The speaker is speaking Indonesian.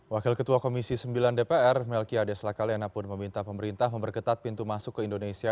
wakil ketua komisi sembilan dpr melki ades lakalena pun meminta pemerintah memperketat pintu masuk ke indonesia